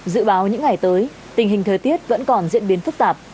dự báo những ngày tới tình hình thời tiết vẫn còn diễn biến phức tạp